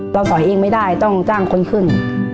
เราถอยเองไม่ได้ต้องจ้างคนขึ้น